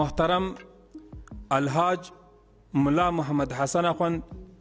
muhtaram al haj mullah muhammad hasan akun